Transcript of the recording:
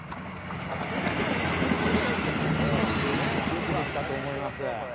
國立さんこれいいんじゃないですか出来は。よくできたと思います。